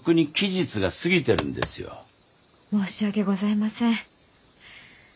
申し訳ございません。